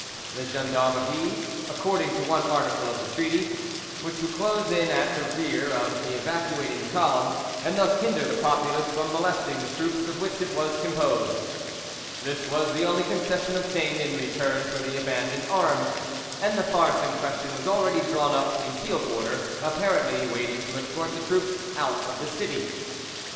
The gendarmerie, according to one article of the treaty, were to close in at, the rear of the evacuating column; and thus hinder the populace from molesting the troops of which it was composed. This was the only concession obtained in return for the abandoned arms, and the farce in question was already drawn up in field order, apparently waiting to escort the troops out of the city.